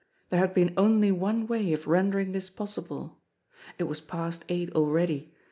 There had been only one way of rendering this possible. It was past eight already.